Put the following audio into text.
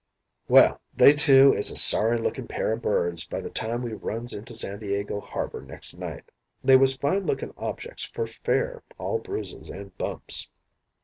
"Well, they two is a sorry lookin' pair o' birds by the time we runs into San Diego harbour next night. They was fine lookin' objects for fair, all bruises and bumps.